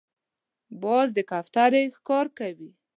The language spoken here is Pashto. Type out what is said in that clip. باز د کوترې ښکار کوي